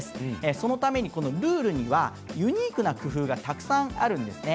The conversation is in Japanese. そのためにルールにはユニークな工夫がたくさんあるんですね。